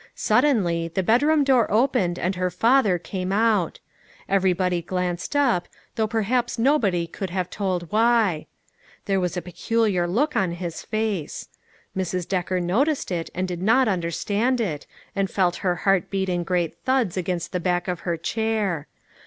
Sud denly the bedroom door opened and her father came out. Everybody glanced up, though per haps nobody could have told why. There was a peculiar look on his face. Mrs. Decker noticed it and did not understand it, and felt her heart beat in great thuds against the back of her chair.